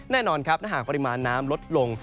แน่นอนครับถ้าหากปริมาณน้ำลดลง